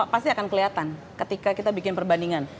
pasti akan kelihatan ketika kita bikin perbandingan